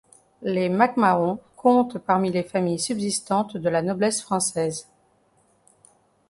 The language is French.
Les Mac Mahon compte parmi les familles subsistantes de la noblesse française.